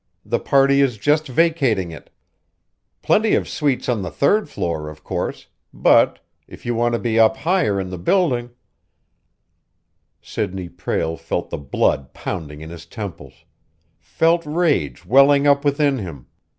The party is just vacating it. Plenty of suites on the third floor, of course, but, if you want to be up higher in the building " Sidney Prale felt the blood pounding in his temples, felt rage welling up within him.